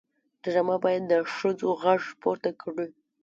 ډرامه باید د ښځو غږ پورته کړي